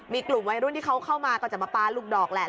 มีกลุ่มวัยรุ่นที่เขาเข้ามาก็จะมาปลาลูกดอกแหละ